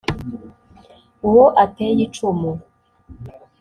uwo ateye icumu